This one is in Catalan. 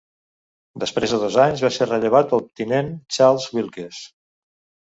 Després de dos anys, va ser rellevat pel tinent Charles Wilkes.